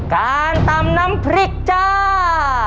การตำน้ำพริกจ้า